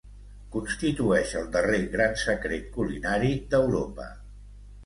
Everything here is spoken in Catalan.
constitueix el darrer gran secret culinari d'Europa